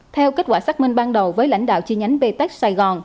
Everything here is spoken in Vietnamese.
theo kết quả xác minh ban đầu với lãnh đạo chi nhánh btech sài gòn